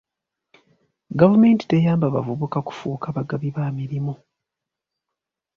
Gavumenti teyamba bavubuka kufuuka bagabi ba mirimu.